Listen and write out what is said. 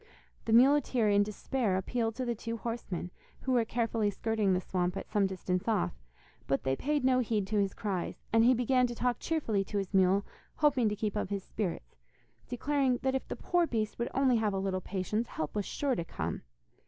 The muleteer in despair appealed to the two horseman, who were carefully skirting the swamp at some distance off, but they paid no heed to his cries, and he began to talk cheerfully to his mule, hoping to keep up his spirits, declaring that if the poor beast would only have a little patience help was sure to come.